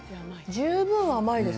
十分甘いです。